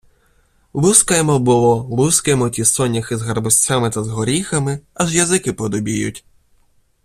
Лускаємо було, лускаємо ті соняхи з гарбузцями та з горіхами, аж язики подубіють.